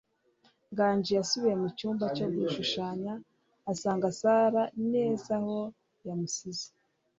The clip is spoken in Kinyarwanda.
Nganji yasubiye mucyumba cyo gushushanya asanga Sarah neza aho yamusize.